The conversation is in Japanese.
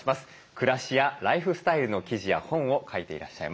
暮らしやライフスタイルの記事や本を書いていらっしゃいます